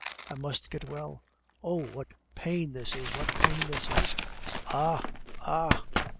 I must get well! (Oh! what pain this is! what pain this is! ... ah! ah!)